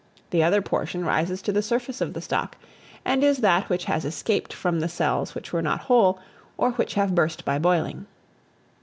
The other portion rises to the surface of the stock, and is that which has escaped from the cells which were not whole, or which have burst by boiling.